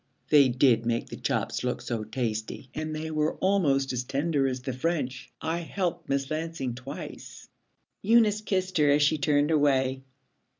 They did make the chops look so tasty, and they were almost as tender as the French. I helped Miss Lansing twice.' Eunice kissed her as she turned away.